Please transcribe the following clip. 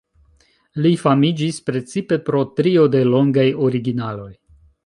Li famiĝis precipe pro trio de longaj originaloj.